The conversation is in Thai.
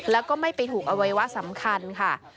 แล้วก็ไม่ไปถูกอวัยวะสำคัญค่ะ